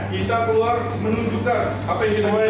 kita keluar menunjukkan apa yang kita lakukan